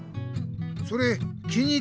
それ気に入ってたかい？